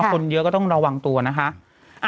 คนเยอะก็ต้องระวังตัวนะคะ